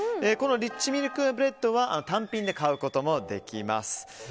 このリッチミルクブレッドは単品で買うこともできます。